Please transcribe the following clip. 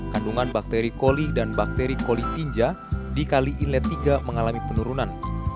kandungan bakteri koli dan bakteri kolitinja di kali inlet tiga mengalami penurunan